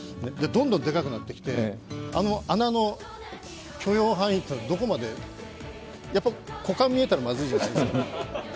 どんどんでかくなってきて、あの穴の許容範囲はどこまで、やっぱり股間見えたらまずいじゃないですか。